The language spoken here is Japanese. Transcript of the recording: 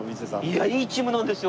いやいいチームなんですよ